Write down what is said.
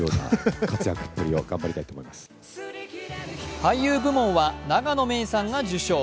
俳優部門は永野芽郁さんが受賞。